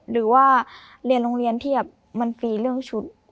หรือว่าเรียนโรงเรียนเทียบมันฟรีเรื่องชุด